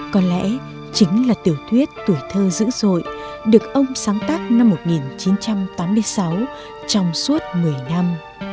có lẽ chính là tiểu thuyết tuổi thơ dữ dội được ông sáng tác năm một nghìn chín trăm tám mươi sáu trong suốt một mươi năm